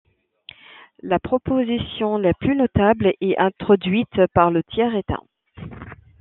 La proposition la plus notable est introduite par le tiers état.